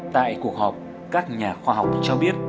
tại cuộc họp các nhà khoa học cho biết